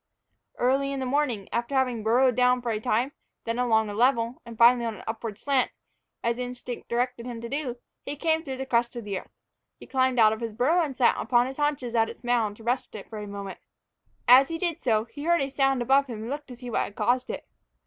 Early in the morning, after having burrowed down for a time, then along a level, and, finally, on an upward slant, as instinct directed him to do, he came through the crust of the earth. He climbed out of his burrow and sat upon his haunches at its mouth to rest a moment. As he did so, he heard a sound above him and looked up to see what had caused it.